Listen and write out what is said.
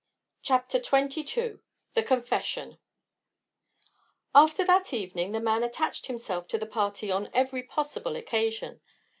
CHAPTER XXII THE CONFESSION After that evening the man attached himself to the party on every possible occasion.